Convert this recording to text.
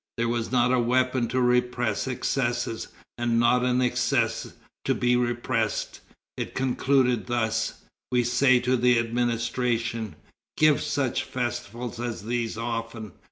There was not a weapon to repress excesses, and not an excess to be repressed." It concluded thus: "We say to the administration: Give such festivals as these often.